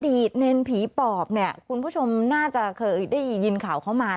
เนรผีปอบเนี่ยคุณผู้ชมน่าจะเคยได้ยินข่าวเขามา